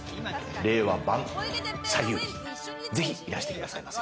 令和版『西遊記』ぜひいらしてくださいませ。